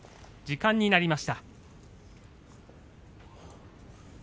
時間になりました。